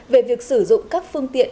về việc sử dụng các phương tiện